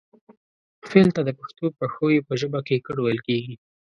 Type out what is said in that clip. فعل ته د پښتو پښويې په ژبه کې کړ ويل کيږي